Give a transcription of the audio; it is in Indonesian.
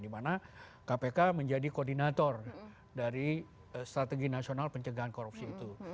dimana kpk menjadi koordinator dari strategi nasional pencegahan korupsi itu